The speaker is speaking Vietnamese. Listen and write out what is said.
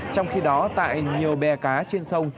trong khi đó tại nhiều bè cá trên sông